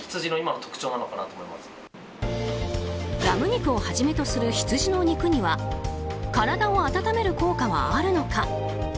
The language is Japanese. ラム肉をはじめとする羊の肉には体を温める効果はあるのか。